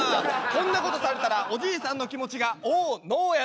こんなことされたらおじいさんの気持ちがオノやで。